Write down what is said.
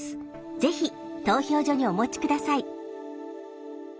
ぜひ投票所にお持ち下さい。